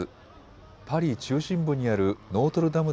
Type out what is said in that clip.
パリ中心部にあるノートルダム